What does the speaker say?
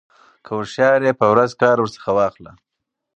كه هوښيار يې په ورځ كار ورڅخه واخله